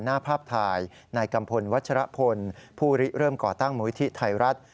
หน้าภาพถ่ายนายกัมพลวัชรพลผู้ริเริ่มก่อตั้งมูลิธิไทยรัฐ